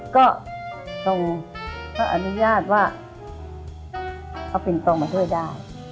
ก็ต้องเข้าอนุญาตว่าเอาปิ่นโตมาช่วยได้